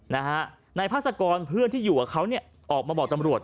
นายพาสกรเพื่อนที่อยู่กับเขาเนี่ยออกมาบอกตำรวจ